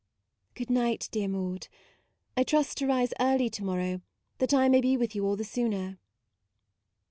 " Good night, dear Maude. I trust to rise early to morrow, that I may be with you all the sooner."